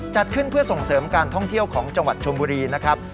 จัดขึ้นเพื่อส่งเสริมการท่องเที่ยวของจังหวัดชมบุรีนะครับ